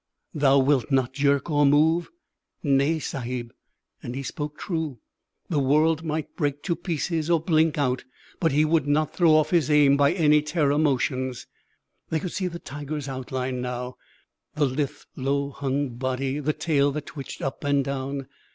"Thou wilt not jerk or move?" "Nay, Sahib." And he spoke true. The world might break to pieces or blink out, but he would not throw off his aim by any terror motions. They could see the tiger's outline now the lithe, low hung body, the tail that twitched up and down.